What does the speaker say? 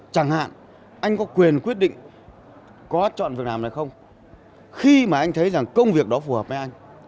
chẳng hạn anh có quyền quyết định có chọn việc làm hay không khi mà anh thấy rằng công việc đó phù hợp với anh